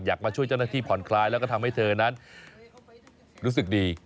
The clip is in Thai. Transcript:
มาช่วยเจ้าหน้าที่ผ่อนคลายแล้วก็ทำให้เธอนั้นรู้สึกดี